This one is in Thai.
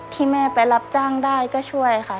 ที่แม่ไปรับจ้างได้ก็ช่วยค่ะ